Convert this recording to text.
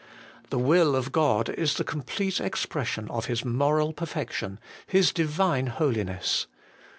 The will of God is the complete ex pression of His moral perfection, His Divine Holi ness.